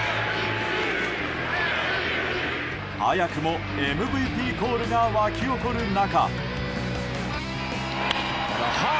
早くもＭＶＰコールが沸き起こる中。